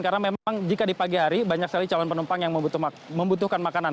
karena memang jika di pagi hari banyak sekali calon penumpang yang membutuhkan makanan